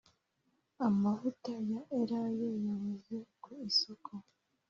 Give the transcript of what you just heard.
amavuta ya elayo yabuze ku isoko